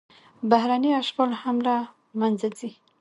بهرنی اشغال هم له منځه ځي.